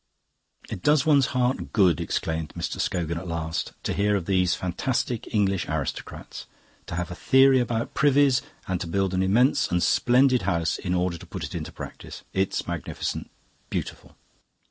"It does one's heart good," exclaimed Mr. Scogan at last, "to hear of these fantastic English aristocrats. To have a theory about privies and to build an immense and splendid house in order to put it into practise it's magnificent, beautiful!